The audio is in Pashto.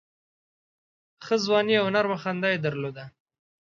ښې ځواني او نرمي خندا یې درلوده.